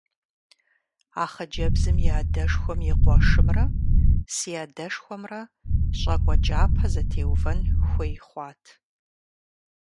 А хъыджэбзым и адэшхуэм и къуэшымрэ си адэшхуэмрэ щӀакӀуэ кӀапэ зэдытеувэн хуей хъуат.